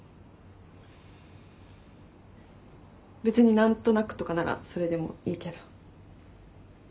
別に何となくとかならそれでもいいけど。